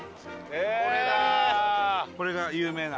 これが有名な。